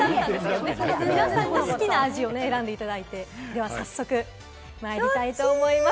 皆さんが好きな味を選んでいただいて、では早速まいりたいと思います。